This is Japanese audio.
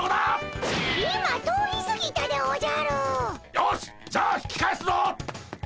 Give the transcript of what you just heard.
よしじゃあ引き返すぞ！